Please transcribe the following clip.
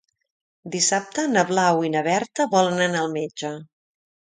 Dissabte na Blau i na Berta volen anar al metge.